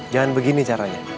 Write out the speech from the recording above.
jangan begini caranya